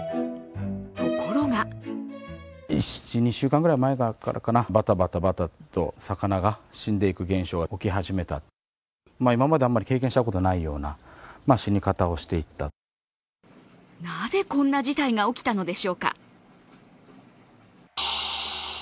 ところがなぜこんな事態が起きたのでしょうか。